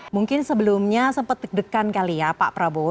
mungkin sebelumnya sempat deg degan kali ya pak prabowo